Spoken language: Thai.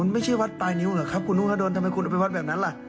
ไม่ใช่วัดปลายนิ้วเหรอครับคุณนุฮาดลทำไมคุณเอาไปวัดแบบนั้นล่ะ